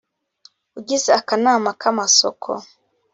ugize akanama k amasoko